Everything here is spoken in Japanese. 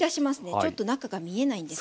ちょっと中が見えないんです。